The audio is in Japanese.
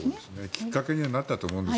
きっかけにはなったと思うんです。